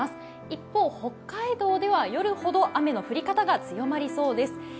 一方、北海道では夜ほど雨の降り方が強まりそうです。